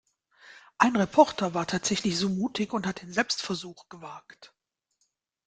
Ein Reporter war tatsächlich so mutig und hat den Selbstversuch gewagt.